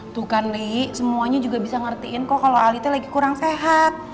tuh kan li semuanya juga bisa ngertiin kok kalau alite lagi kurang sehat